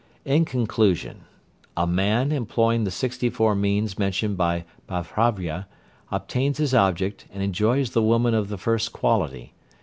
In conclusion. A man, employing the sixty four means mentioned by Babhravya, obtains his object, and enjoys the woman of the first quality.